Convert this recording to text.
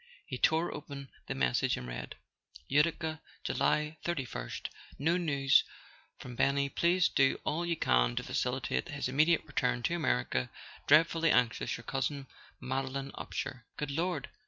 .. He tore open the message, and read: "Utica July thirty first. No news from Benny please do all you can to facilitate his immediate return to America dread¬ fully anxious your cousin Madeline Upsher." "Good Lord!"